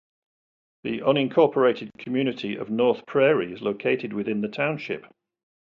The unincorporated community of North Prairie is located within the township.